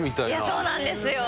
そうなんですよ。